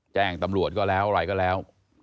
แจ้งตำรวจก็แล้วอะไรก็แล้ว